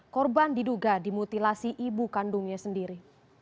korban diduga dimutilasi ibu kandungnya sendiri